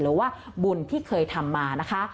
หรือว่าบุญที่เคยทำมานะคะ